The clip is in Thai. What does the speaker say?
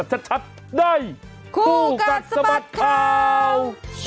ดัดชัดได้ครูกัดสมัติข่าว